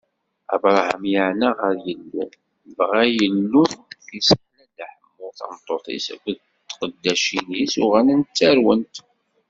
Abṛaham iɛenna ɣer Yillu, dɣa Illu yesseḥla Dda Ḥemmu, tameṭṭut-is akked tqeddacin-is: uɣalent ttarwent.